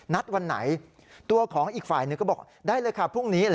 นัดวันไหนตัวของอีกฝ่ายหนึ่งก็บอกได้เลยค่ะพรุ่งนี้